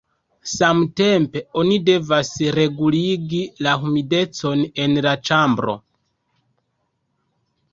Samtempe oni devas reguligi la humidecon en la ĉambro.